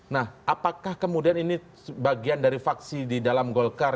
nah apakah kemudian ini bagian dari faksi di dalam golkar